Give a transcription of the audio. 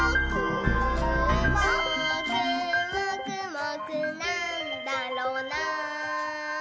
「もーくもくもくなんだろなぁ」